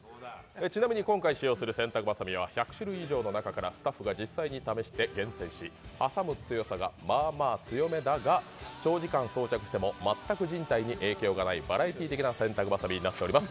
ちなみに今回、使用する洗濯バサミは１００種類以上の中からスタッフが実際に試して厳選し挟む強さがまあまあ強めだが長時間装着してもまったく人体に影響がないバラエティー的な洗濯バサミになっております。